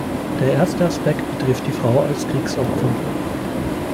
Der erste Aspekt betrifft die Frau als Kriegsopfer.